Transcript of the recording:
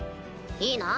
いいな？